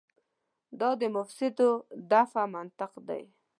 دا د مفاسدو دفع منطق دی.